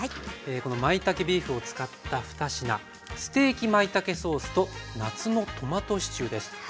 このまいたけビーフを使った２品ステーキまいたけソースと夏のトマトシチューです。